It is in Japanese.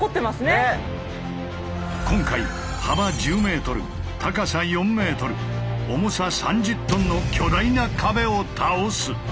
今回幅１０ｍ高さ４ｍ重さ３０ｔの巨大な壁を倒す。